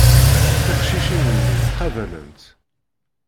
Tiqcicin-nni mqabalent.